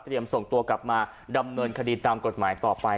ส่งตัวกลับมาดำเนินคดีตามกฎหมายต่อไป